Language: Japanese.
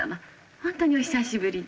ほんとにお久しぶりで。